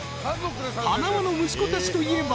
［はなわの息子たちといえば］